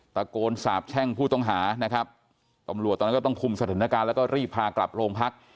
ตะโกนสาบแช่งผู้ต้องหานะครับตำรวจตอนนั้นก็ต้องคุมสถานการณ์แล้วก็รีบพากลับโรงพัก